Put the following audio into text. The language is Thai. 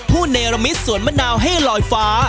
เนรมิตสวนมะนาวให้ลอยฟ้า